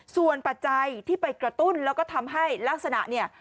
ส่วนปัจจัยที่ไปกระตุ้นแล้วก็ทำให้ลักษณะเนี่ย